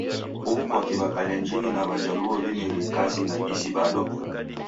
Huw'u kwaki W'akalenjini na W'ajaluo w'imerie kazi na isi bado?